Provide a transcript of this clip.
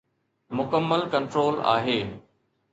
مڪمل ڪنٽرول آهي.